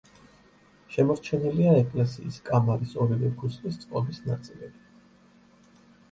შემორჩენილია ეკლესიის კამარის ორივე ქუსლის წყობის ნაწილები.